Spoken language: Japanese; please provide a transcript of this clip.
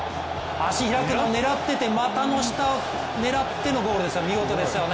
足を開くのを狙っていて股の下を狙ってのゴール見事でしたね。